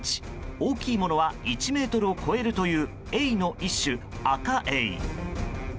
大きいものは１ｍを超えるというエイの一種、アカエイ。